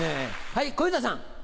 はい小遊三さん。